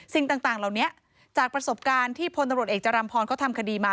สิ่งต่างเหล่านี้จากประสบการณ์ที่พลตำรวจเอกจรัมพรเขาทำคดีมา